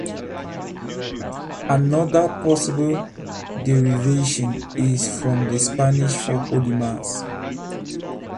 Another possible derivation is from the Spanish for "Holy Mass".